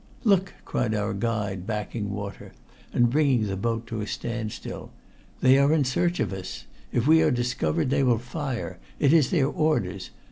"Look!" cried our guide, backing water, and bringing the boat to a standstill. "They are in search of us! If we are discovered they will fire. It is their orders.